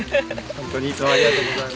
本当にいつもありがとうございます。